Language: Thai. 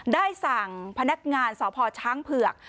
ได้สั่งพนักงานสพช้างเผือก